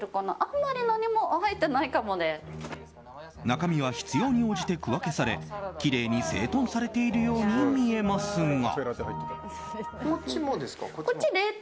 中身は必要に応じて区分けされきれいに整頓されているように見えますが。